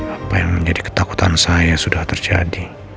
apa yang menjadi ketakutan saya sudah terjadi